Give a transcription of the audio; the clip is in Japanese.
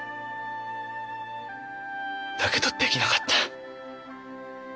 だけどできなかった。